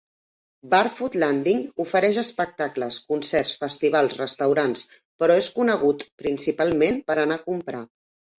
Barefoot Landing ofereix espectacles, concerts, festivals, restaurants, però és conegut principalment per anar a comprar.